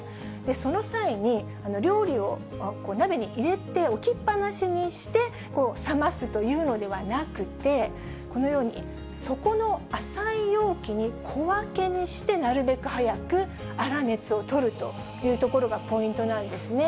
その際に、料理を鍋に入れて置きっ放しにして冷ますというのではなくて、このように底の浅い容器に小分けにして、なるべく早く粗熱を取るというところがポイントなんですね。